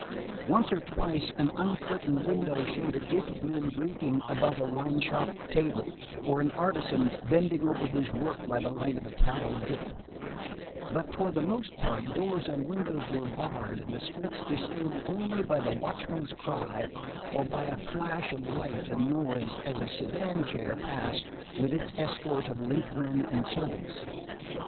Once or twice an uncurtained window showed a group of men drinking about a wineshop table, or an artisan bending over his work by the light of a tallow dip; but for the most part doors and windows were barred and the streets disturbed only by the watchman's cry or by a flash of light and noise as a sedan chair passed with its escort of linkmen and servants.